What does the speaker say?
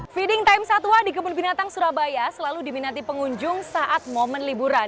feeding time satwa di kebun binatang surabaya selalu diminati pengunjung saat momen liburan